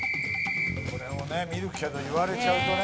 これもね見るけど言われちゃうとね。